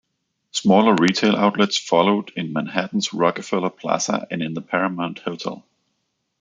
Smaller retail outlets followed in Manhattan's Rockefeller Plaza and in the Paramount Hotel.